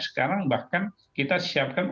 sekarang bahkan kita siapkan